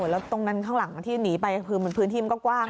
แล้วตรงนั้นข้างหลังที่หนีไปคือพื้นที่มันก็กว้าง